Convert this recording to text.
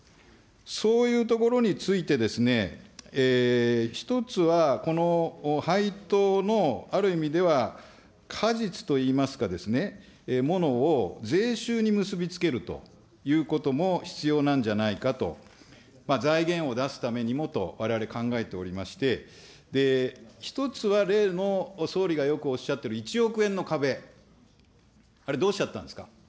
そういうところについてですね、一つはこの配当のある意味では、果実といいますか、ものを税収に結び付けるということも必要なんじゃないかと、財源を出すためにもと、われわれ、考えておりまして、一つは例の、総理がよくおっしゃっている１億円の壁、あれどうしちゃったんですか。